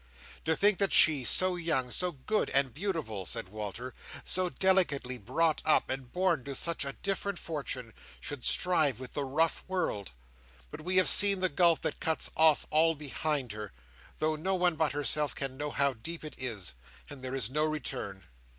"To think that she, so young, so good, and beautiful," said Walter, "so delicately brought up, and born to such a different fortune, should strive with the rough world! But we have seen the gulf that cuts off all behind her, though no one but herself can know how deep it is; and there is no return."